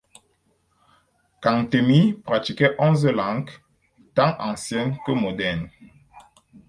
Cantemir pratiquait onze langues, tant anciennes que modernes.